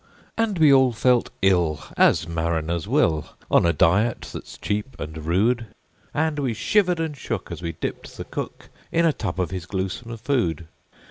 And we all felt ill as mariners will, On a diet that's cheap and rude; And we shivered and shook as we dipped the cook In a tub of his gluesome food.